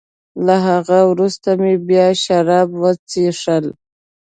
له هغه وروسته مې بیا شراب وڅېښل.